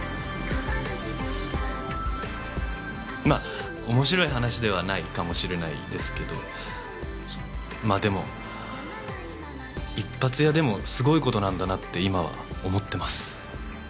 まあ面白い話ではないかもしれないですけどまあでも一発屋でもすごいことなんだなって今は思ってます